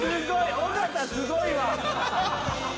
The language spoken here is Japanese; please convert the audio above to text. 尾形すごいわ。